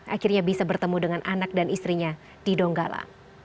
akhirnya bisa bertemu dengan anak dan istrinya di donggala